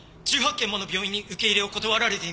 １８軒もの病院に受け入れを断られています。